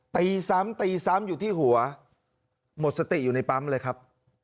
ตีซ้ำตีซ้ำอยู่ที่หัวหมดสติอยู่ในปั๊มเลยครับ